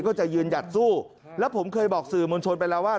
ก็จะยืนหยัดสู้แล้วผมเคยบอกสื่อมวลชนไปแล้วว่า